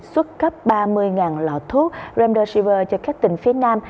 xuất cấp ba mươi lọ thuốc remdesivir cho các tỉnh phía nam